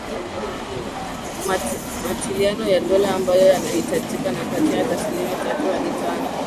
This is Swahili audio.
matilioni ya dola ambayo yanahitajika ni kati ya tilioni tatu hadi tano